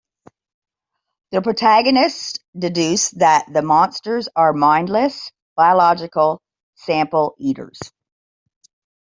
The protagonists deduce that the monsters are mindless biological-sample eaters.